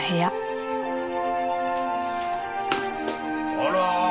あら。